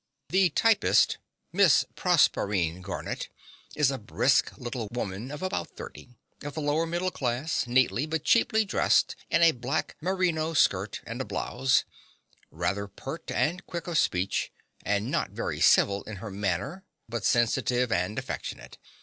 The typist, Miss Proserpine Garnett, is a brisk little woman of about 30, of the lower middle class, neatly but cheaply dressed in a black merino skirt and a blouse, rather pert and quick of speech, and not very civil in her manner, but sensitive and affectionate.